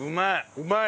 うまい。